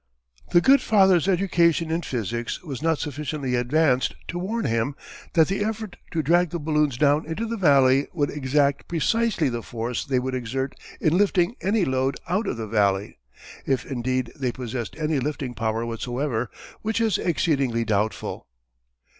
The good Father's education in physics was not sufficiently advanced to warn him that the effort to drag the balloons down into the valley would exact precisely the force they would exert in lifting any load out of the valley if indeed they possessed any lifting power whatsoever, which is exceedingly doubtful.